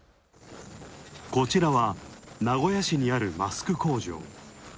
こちらは、名古屋市にある、マスク工場。